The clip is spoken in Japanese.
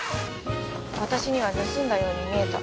私には盗んだように見えた。